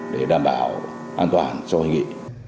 để đảm bảo an toàn cho hội nghị